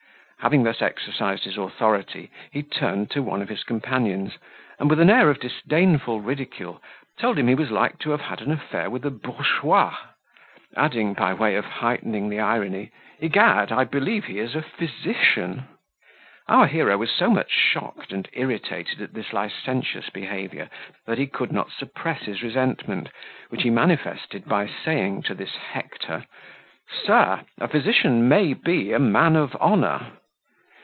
Having thus exercised his authority, he turned to one of his companions, and, with an air of disdainful ridicule, told him he was like to have had an affair with a bourgeois; adding, by way of heightening the irony, "Egad! I believe he is a physician." Our hero was so much shocked and irritated at this licentious behaviour, that he could not suppress his resentment, which he manifested by saying to this Hector, "Sir, a physician may be a man of honour."